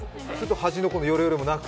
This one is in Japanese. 端の方のよれもなく？